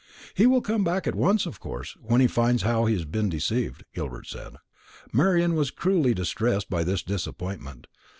"He will come back at once, of course, when he finds how he has been deceived," Gilbert said. Marian was cruelly distressed by this disappointment.